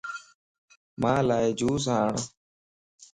مان لا جوس آڻ